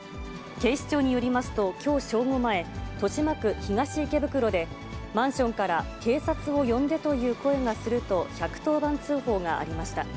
警視庁によりますと、きょう正午前、豊島区東池袋で、マンションから警察を呼んでという声がすると、１１０番通報がありました。